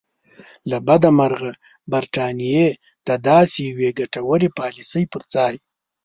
له بده مرغه برټانیې د داسې یوې ګټورې پالیسۍ پر ځای.